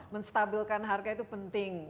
menstabilkan harga itu penting